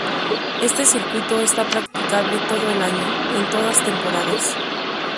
Este circuito está practicable todo el año, en todas temporadas.